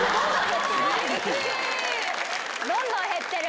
どんどん減ってる。